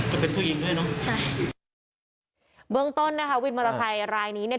จะเป็นผู้หญิงด้วยเนอะใช่เบื้องต้นนะคะวินมอเตอร์ไซค์รายนี้เนี่ย